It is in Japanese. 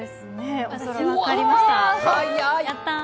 私、分かりました。